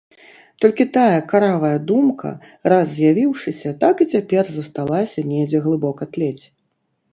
Толькі тая каравая думка, раз з'явіўшыся, так і цяпер засталася недзе глыбока тлець.